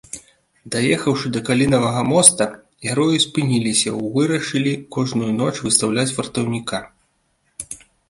Даехаўшы да калінавага моста, героі спыніліся ў вырашылі кожную ноч выстаўляць вартаўніка.